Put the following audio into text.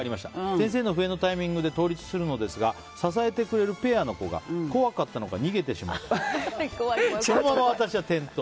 先生の笛のタイミングで倒立するのですが支えてくれるペアの子が怖かったのか逃げてしまいそのまま私は転倒。